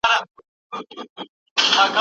ايا ابن بطوطه نړيوال سيلاني و؟